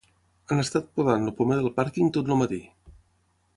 Han estat podant el pomer del pàrquing tot el matí.